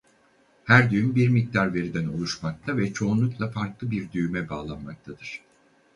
Her düğüm bir miktar veriden oluşmakta ve çoğunlukla farklı bir düğüme bağlanmaktadır.